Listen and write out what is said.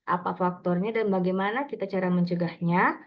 apa faktornya dan bagaimana cara kita mencegahnya